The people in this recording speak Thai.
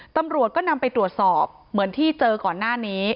ตำรวจก็นำไปตรวจสอบเหมือนที่เจอก่อนหน้านี้